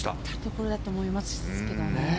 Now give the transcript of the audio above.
いいところだったと思いますけどね。